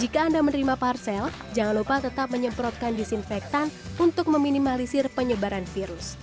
jika anda menerima parcel jangan lupa tetap menyemprotkan disinfektan untuk meminimalisir penyebaran virus